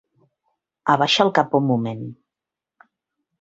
Abaixa el cap un moment.